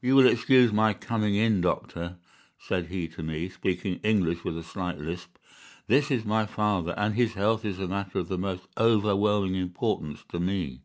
"'You will excuse my coming in, doctor,' said he to me, speaking English with a slight lisp. 'This is my father, and his health is a matter of the most overwhelming importance to me.